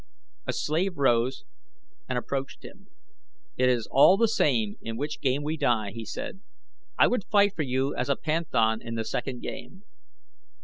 A slave rose and approached him. "It is all the same in which game we die," he said. "I would fight for you as a panthan in the second game."